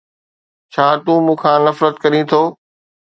ڇا تون مون کان نفرت ڪرين ٿو؟